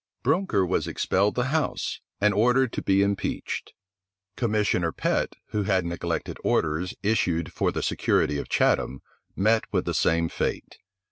Brounker was expelled the house, and ordered to be impeached. Commissioner Pet, who had neglected orders issued for the security of Chatham, met with the same fate.